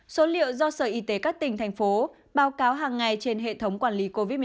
số liệu do sở y tế các tỉnh thành phố báo cáo hàng ngày trên hệ thống quản lý covid một mươi chín